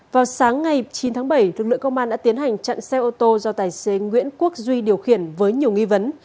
vào sáng ngày chín tháng bảy lực lượng công an đã tiến hành chặn xe ô tô do tài xế nguyễn quốc duy điều khiển với nhiều nghi vấn